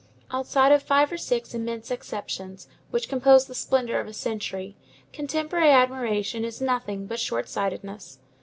Outside of five or six immense exceptions, which compose the splendor of a century, contemporary admiration is nothing but short sightedness.